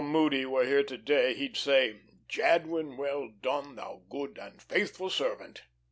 Moody were here to day he'd say, 'Jadwin, well done, thou good and faithful servant.'"